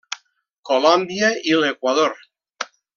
Colòmbia i l'Equador.